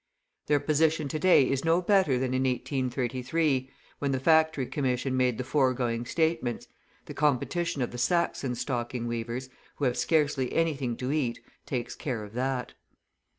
Their position to day is no better than in 1833, when the Factory Commission made the foregoing statements, the competition of the Saxon stocking weavers, who have scarcely anything to eat, takes care of that.